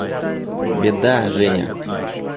– Беда, Женя!